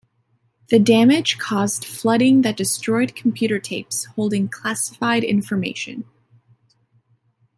The damage caused flooding that destroyed computer tapes holding classified information.